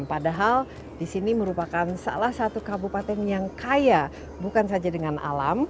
padahal di sini merupakan salah satu kabupaten yang kaya bukan saja dengan alam